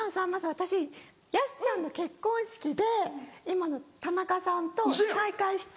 私安ちゃんの結婚式で今の田中さんと再会して。